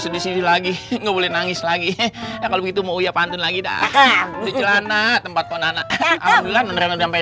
sedih lagi nggak boleh nangis lagi kalau gitu mau ya pantun lagi dah ke tempatnya